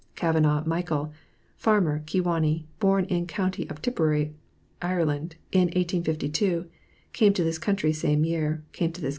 CAVANAGH MICHAEL, Farmer, Kewanee; born in County of Tipperary, Ireland, in 1852; came to this country same year; came to this Co.